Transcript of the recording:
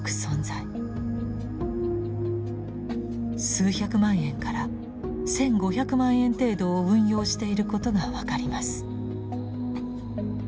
数百万円から１，５００万円程度を運用していることが分かります。